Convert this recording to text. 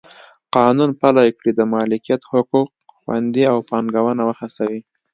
قانون پلی کړي د مالکیت حقوق خوندي او پانګونه وهڅوي.